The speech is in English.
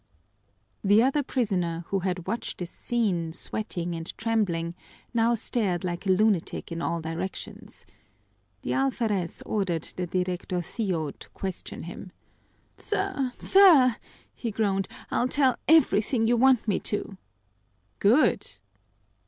The other prisoner, who had watched this scene, sweating and trembling, now stared like a lunatic in all directions. The alferez ordered the directorcillo to question him. "Sir, sir," he groaned, "I'll tell everything you want me to." "Good!